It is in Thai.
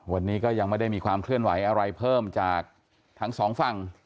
วันนี้ก็ยังไม่ได้มีความเคลื่อนไหวอะไรเพิ่มจากทั้งสองฝั่ง